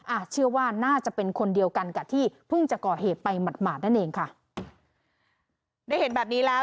เชื่อว่าน่าจะเป็นคนเดียวกันกับที่เพิ่งจะก่อเหตุไปหมาดหมาดนั่นเองค่ะได้เห็นแบบนี้แล้ว